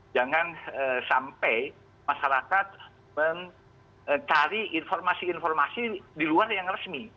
jangan sampai masyarakat mencari informasi informasi di luar yang resmi